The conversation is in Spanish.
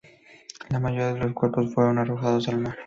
La mayoría de los cuerpos fueron arrojados al mar.